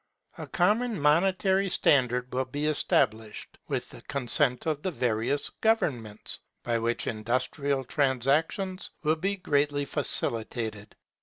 A common monetary standard will be established, with the consent of the various governments, by which industrial transactions will be greatly facilitated.